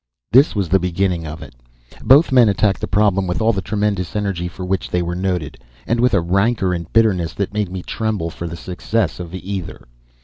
This was the beginning of it. Both men attacked the problem with all the tremendous energy for which they were noted, and with a rancor and bitterness that made me tremble for the success of either.